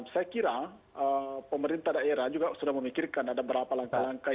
saya kira pemerintah daerah juga sudah memikirkan ada berapa langkah langkah